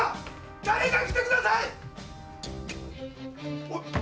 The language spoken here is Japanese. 誰か来てください‼おいっ！